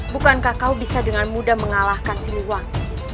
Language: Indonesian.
bukankah kau bisa dengan mudah mengalahkan siliwan